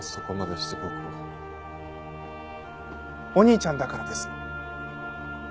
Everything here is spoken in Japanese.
お兄ちゃんだからです。